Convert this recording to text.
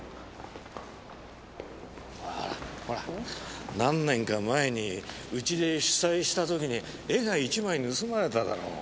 ほら何年か前にうちで主催した時に絵が１枚盗まれただろう。